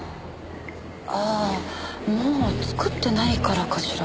ああもう作ってないからかしら。